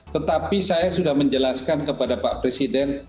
tetapi saya sudah menjelaskan kepada pak presiden